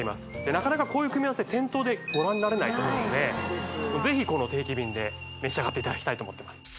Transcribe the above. なかなかこういう組み合わせ店頭でご覧になれないと思うのでぜひこの定期便で召し上がっていただきたいと思ってます